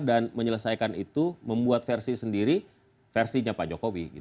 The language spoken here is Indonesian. dan menyelesaikan itu membuat versi sendiri versinya pak jokowi